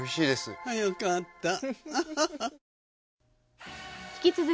よかった。